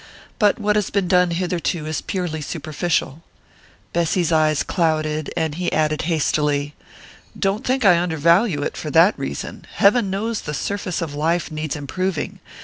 But what has been done hitherto is purely superficial." Bessy's eyes clouded, and he added hastily: "Don't think I undervalue it for that reason heaven knows the surface of life needs improving!